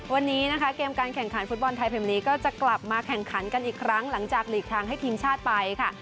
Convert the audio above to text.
วันนี้นะคะเกมการแข่งขันฟุตบอลไทยเพลงนี้ก็จะกลับมาแข่งขันกันอีกครั้งหลังจากหลีกทางให้ทีมชาติไปค่ะ